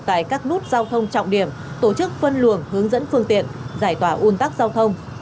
tại các nút giao thông trọng điểm tổ chức phân luồng hướng dẫn phương tiện giải tỏa un tắc giao thông